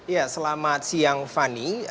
ya selamat siang fani